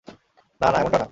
না, না, এমনটা না।